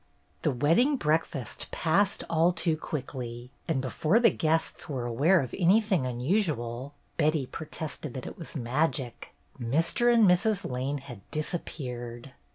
The wedding breakfast passed all too quickly, and before the guests were aware of anything unusual — Betty protested that it was magic — Mr. and Mrs. Lane had dis appeared.